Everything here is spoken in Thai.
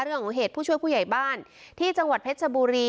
เหตุผู้ช่วยผู้ใหญ่บ้านที่จังหวัดเพชรชบุรี